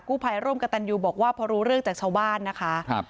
กู้ภัยร่มกะตันยูบอกว่าเพราะรู้เรื่องจากชาวบ้านนะคะ